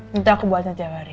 nanti aku buatin tiap hari